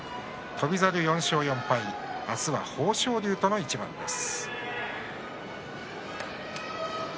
翔猿は４勝４敗明日は豊昇龍との一番です。